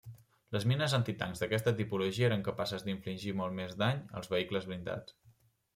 Les mines antitancs d'aquesta tipologia eren capaces d'infligir molt més dany als vehicles blindats.